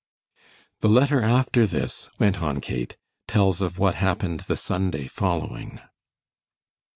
"The letter after this," went on Kate, "tells of what happened the Sunday following."